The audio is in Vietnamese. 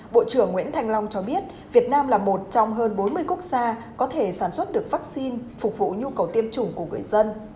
bộ trưởng nguyễn thanh long cho biết việt nam là một trong hơn bốn mươi quốc gia có thể sản xuất được vaccine phục vụ nhu cầu tiêm chủng của người dân